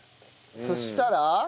そしたら？